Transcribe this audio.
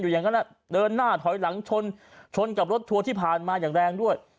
อย่างนั้นเดินหน้าถอยหลังชนชนกับรถทัวร์ที่ผ่านมาอย่างแรงด้วย